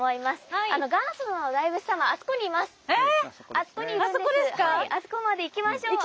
はいあそこまで行きましょう！